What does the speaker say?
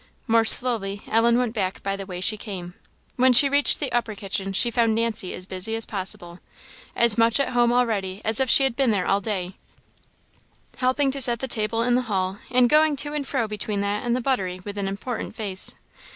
More slowly Ellen went back by the way she came. When she reached the upper kitchen she found Nancy as busy as possible as much at home already as if she had been there all day; helping to set the table in the hall, and going to and fro between that and the buttery with an important face.